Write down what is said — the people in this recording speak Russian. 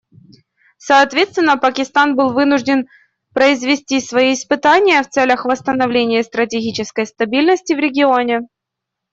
Соответственно, Пакистан был вынужден произвести свои испытания в целях восстановления стратегической стабильности в регионе.